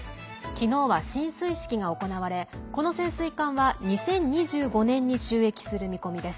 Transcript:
昨日は進水式が行われこの潜水艦は２０２５年に就役する見込みです。